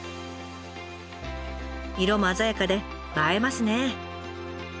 色も鮮やかで映えますね。